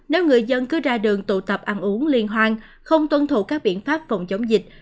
nếu người dân cứ ra đường tụ tập ăn uống liên hoan không tuân thủ các biện pháp phòng chống dịch